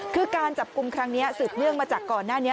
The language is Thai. คือการจับกลุ่มครั้งนี้สืบเนื่องมาจากก่อนหน้านี้